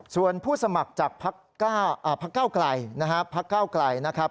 ส่วนผู้สมัครจากพักเก้าไกลนะครับพักเก้าไกลนะครับ